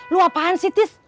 lu apaan sih tis